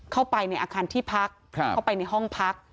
เข้าไปในอาคารที่พักเข้าไปในห้องพัก